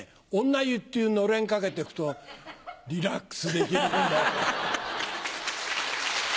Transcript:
女湯っていうのれん掛けて行くとリラックスできるんだよ。